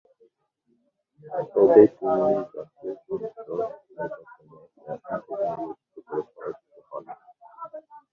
তবে তিনি দশম জাতীয় সংসদ নির্বাচনে একই আসন থেকে নির্বাচন করে পরাজিত হন।